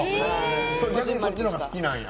逆にそっちのほうが好きなんや。